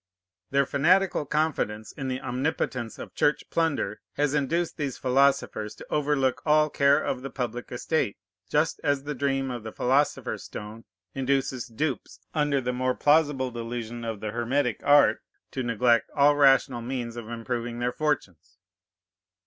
Their fanatical confidence in the omnipotence of Church plunder has induced these philosophers to overlook all care of the public estate, just as the dream of the philosopher's stone induces dupes, under the more plausible delusion of the hermetic art, to neglect all rational means of improving their fortunes.